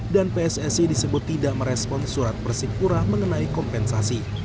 dan pssi disebut tidak merespon surat persipura mengenai kompensasi